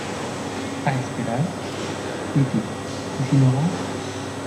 a esperar? piti, ¿ y si no va ?